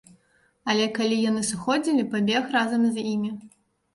Але калі яны сыходзілі, пабег разам з імі.